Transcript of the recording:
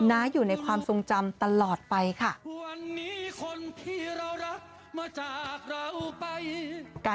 ้าอยู่ในความทรงจำตลอดไปค่ะ